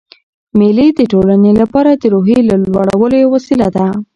مېلې د ټولنې له پاره د روحیې لوړولو یوه وسیله ده.